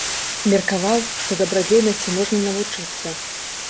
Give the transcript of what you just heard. Меркаваў, што дабрадзейнасці можна навучыцца.